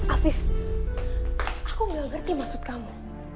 afif aku gak ngerti maksud kamu